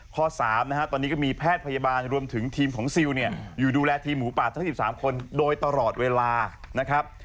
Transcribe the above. ๓นะฮะตอนนี้ก็มีแพทย์พยาบาลรวมถึงทีมของซิลเนี่ยอยู่ดูแลทีมหมูป่าทั้ง๑๓คนโดยตลอดเวลานะครับ